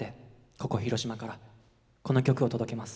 ここ広島からこの曲を届けます。